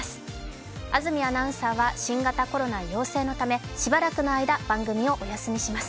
安住アナウンサーは新型コロナ陽性のためしばらくの間番組をお休みします。